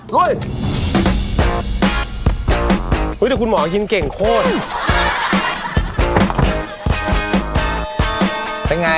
เฮ้ยเดี๋ยวคุณหมอกินเก่งโคตรเฮ้ย